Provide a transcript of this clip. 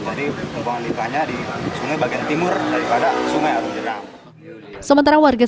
jadi pembuangan limbahnya di sungai bagian timur daripada sungai arung jeram